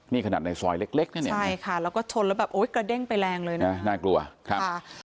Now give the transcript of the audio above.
มีขนาดในซอยเล็กแล้วก็ชนแล้วกระเด้งไปแรงเลยนะครับ